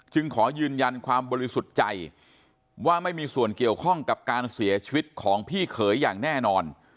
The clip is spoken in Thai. ขอยืนยันความบริสุทธิ์ใจว่าไม่มีส่วนเกี่ยวข้องกับการเสียชีวิตของพี่เขยอย่างแน่นอน